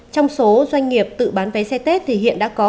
trong số doanh nghiệp tự bán vé xe tết thì hiện đã có